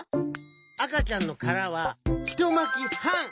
あかちゃんのからはひとまきはん！